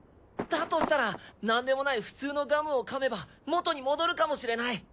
だとしたらなんでもない普通のガムを噛めば元に戻るかもしれない！